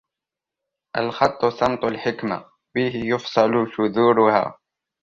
الْخَطُّ سَمْطُ الْحِكْمَةِ بِهِ يُفْصَلُ شُذُورُهَا